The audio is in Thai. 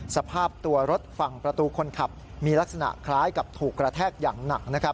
สภาพตัวรถฝั่งประตูคนขับมีลักษณะคล้ายกับถูกกระแทกอย่างหนัก